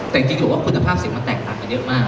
แต่จริงผมว่าคุณภาพสิ่งมันแตกต่างกันเยอะมาก